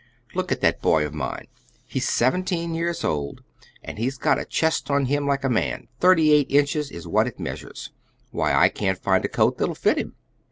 Look at that boy of mine! He's seventeen years old, and he's got a chest on him like a man. Thirty eight inches is what it measures. Why, I can't find a coat that'll fit him."